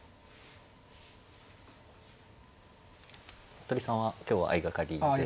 服部さんは今日は相掛かりでと。